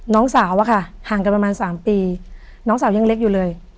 น้องสาวอะค่ะห่างกันประมาณ๓ปีน้องสาวยังเล็กอยู่เลย